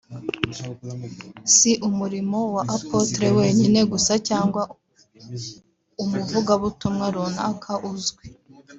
si umurimo wa Apotre wenyine gusa cyangwa umuvuga-butumwa runaka uzwi